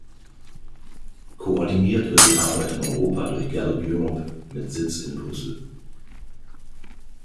Koordiniert wird die Arbeit in Europa durch Gallup Europe mit Sitz in Brüssel.